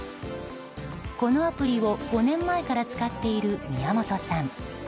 このアプリを５年前から使っている宮本さん。